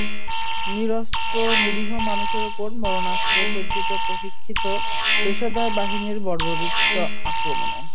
নিরস্ত্র, নিরীহ মানুষের ওপর মারণাস্ত্রে সজ্জিত প্রশিক্ষিত, পেশাদার বাহিনীর বর্বরোচিত আক্রমণে।